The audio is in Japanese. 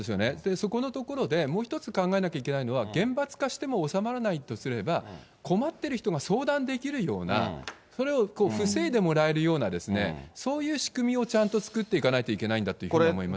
そこのところでもう一つ考えなきゃいけないのは、厳罰化しても収まらないとすれば、困っている人が相談できるような、それを防いでもらえるような、そういう仕組みをちゃんと作っていかないといけないんだというふうに思いますね。